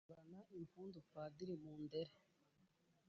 horana impundu padiri mundere